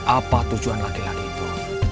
apa tujuan laki laki itu